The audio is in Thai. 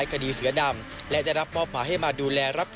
จอบประเด็นจากรายงานของคุณศักดิ์สิทธิ์บุญรัฐครับ